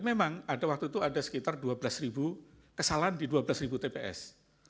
memang ada waktu itu ada sekitar dua belas kesalahan di dua belas tps